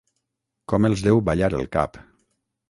Com els deu ballar el cap!